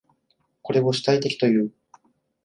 これを主体的という。